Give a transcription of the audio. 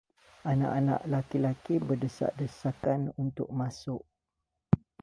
Anak-anak laki-laki berdesak-desakan untuk masuk.